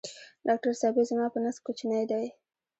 ډاکټر صېبې زما په نس کوچینی دی